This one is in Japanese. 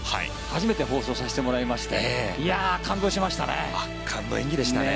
初めて放送させてもらいまして圧巻の演技でしたね。